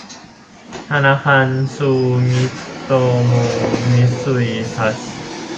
ธนาคารซูมิโตโม มิตซุย ทรัสต์